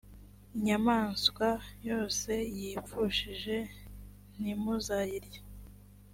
inyamaswa yose yipfushije, ntimuzayirye: